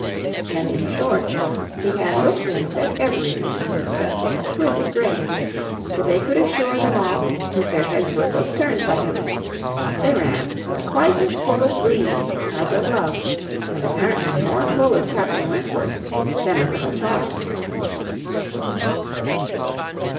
And in short, he had looked and said everything with such exquisite grace, that they could assure them all, their heads were both turned by him; and off they ran, quite as full of glee as of love, and apparently more full of Captain Wentworth than of little Charles.